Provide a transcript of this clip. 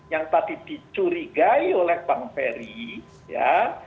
yang tadi dicurigai oleh bang ferry ya